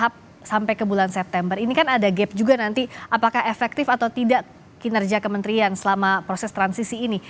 sampai ke bulan september ini kan ada gap juga nanti apakah efektif atau tidak kinerja kementerian selama proses transisi ini